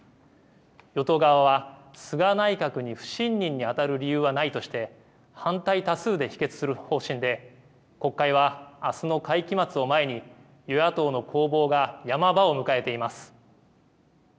与党側は、菅内閣に不信任にあたる理由はないとして反対多数で否決する方針で国会はあすの会期末を前に与野党の攻防がヤマ場を迎えています。